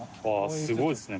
すごいですね